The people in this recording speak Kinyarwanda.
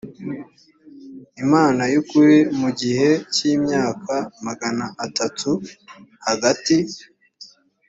imana yukuri mu gihe cy imyaka magana atatu hagati